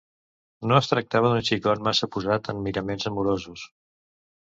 No es tractava d’un xicot massa posat en miraments amorosos...